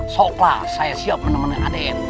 sok lah saya siap menemani adem